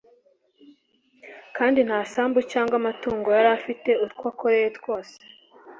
kandi nta sambu cyangwa amatungo yari afite utwo akoreye twose